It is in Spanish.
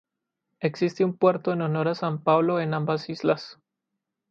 Existe un puerto en honor a San Pablo en ambas islas.